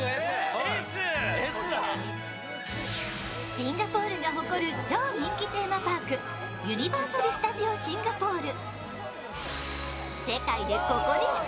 シンガポールが誇る超人気テーマパークユニバーサル・スタジオ・シンガポール。